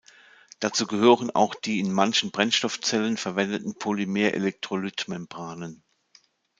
Dazu gehören auch die in manchen Brennstoffzellen verwendeten Polymerelektrolyt-Membranen.